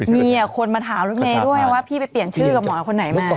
มีคนมาถามรถเมย์ด้วยว่าพี่ไปเปลี่ยนชื่อกับหมอคนไหนมา